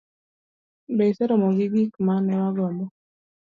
be iseromo gi gik ma ne wagombo?